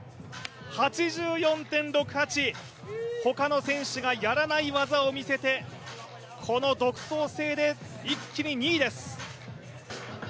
８４．６８、ほかの選手がやらない技を見せてこの独創性で、一気に２位です。